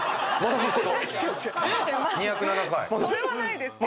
それはないですけど。